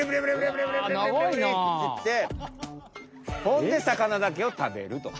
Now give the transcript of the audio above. ほんで魚だけを食べると。